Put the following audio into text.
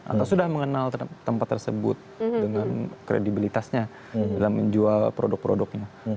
atau sudah mengenal tempat tersebut dengan kredibilitasnya dalam menjual produk produknya